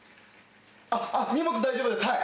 あっ荷物大丈夫ですはい。